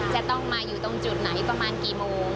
จะต้องมาอยู่ตรงจุดไหนประมาณกี่โมง